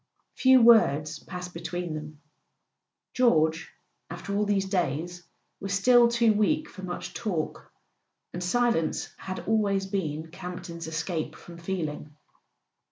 Few words passed between them. George, after all these days, was still too weak for much talk; and silence had always been Campton's escape from feeling.